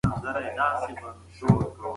هره هڅه چې طبیعت ته وشي، نسلونه ترې ګټه اخلي.